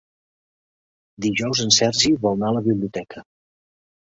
Dijous en Sergi vol anar a la biblioteca.